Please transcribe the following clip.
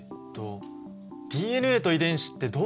ＤＮＡと遺伝子ってどう違うんだっけ？